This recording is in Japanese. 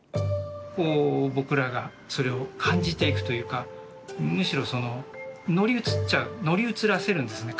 こう僕らがそれを感じていくというかむしろその乗り移っちゃう乗り移らせるんですね